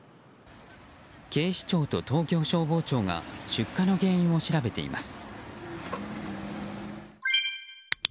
警視庁と東京消防庁が出火の原因を調べています。